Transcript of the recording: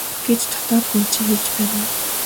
гэж дотоод хүн чинь хэлж байна уу?